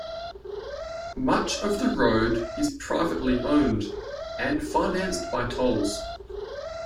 Much of the road is privately owned and financed by tolls.